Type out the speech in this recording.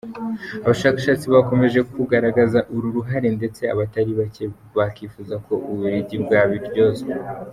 Abashakashatsi bakomeje kugaragaza uru ruhare ndetse abatari bake bakifuza ko u Bubiligi bwabiryozwa.